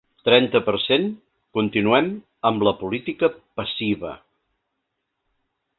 Trenta per cent Continuem amb la política passiva.